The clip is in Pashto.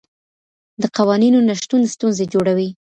د قوانينو نشتون ستونزې جوړوي.